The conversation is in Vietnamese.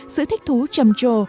sự thích thú trầm trồ